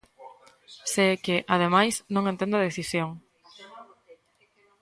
Se é que, ademais, non entendo a decisión.